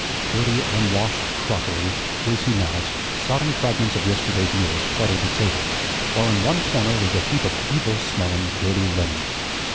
Dirty, unwashed crockery, greasy knives, sodden fragments of yesterday's meals cluttered the table, while in one corner was the heap of evil smelling, dirty linen.